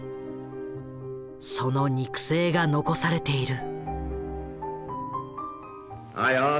その肉声が残されている。